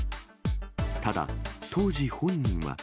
ただ、当時、本人は。